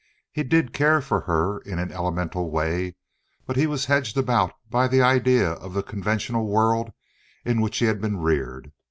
He did care for her in an elemental way, but he was hedged about by the ideas of the conventional world in which he had been reared.